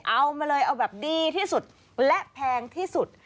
เอามาเลยเอาแบบดีที่สุดและแพงที่สุด